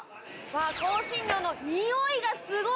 香辛料の匂いがすごい。